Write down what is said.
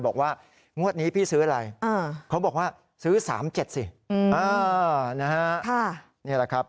บอกว่างวดนี้พี่ซื้ออะไรเขาบอกว่าซื้อ๓๗สินะฮะนี่แหละครับ